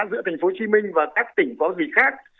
giữa tp hcm và các tỉnh có gì khác